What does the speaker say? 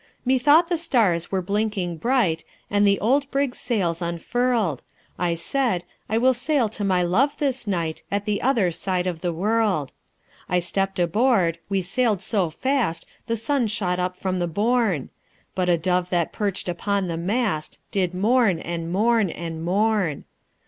_ "Methought the stars were blinking bright, And the old brig's sails unfurled; I said, 'I will sail to my love this night At the other side of the world.' I stepped aboard, we sailed so fast, The sun shot up from the bourne; But a dove that perched upon the mast Did mourn, and mourn, and mourn.